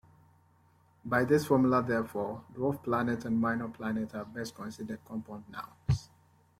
By this formulation therefore, 'dwarf planet' and 'minor planet' are best considered compound nouns.